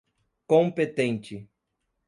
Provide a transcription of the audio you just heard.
competente